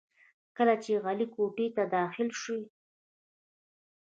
کله چې علي کوټې ته داخل شي،